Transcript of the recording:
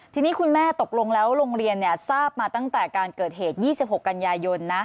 ทีนี้คุณแม่ตกลงแล้วโรงเรียนทราบมาตั้งแต่การเกิดเหตุ๒๖กันยายนนะ